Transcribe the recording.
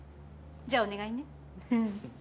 じゃあお願いね。